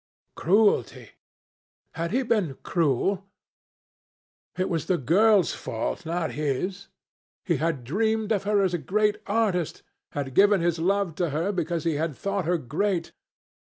Cruelty! Had he been cruel? It was the girl's fault, not his. He had dreamed of her as a great artist, had given his love to her because he had thought her great.